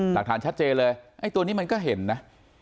หลักฐานชัดเจนเลยไอ้ตัวนี้มันก็เห็นนะ